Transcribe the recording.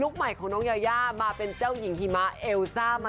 ลุคใหม่ของน้องหยามาเป็นเจ้าหญิงไฮมะเอลซ่า